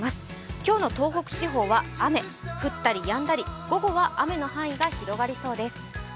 今日の東北地方は雨降ったりやんだり、午後は雨の範囲が広がりそうです。